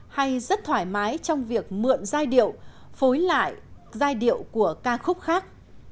hay rất thoải mái trong việc mượn giai điệu phối lại giai điệu của ca khúc khác